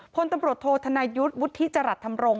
พลตำรวจโทษธนายุทธ์วุฒิจรัสธรรมรงค